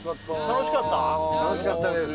楽しかったです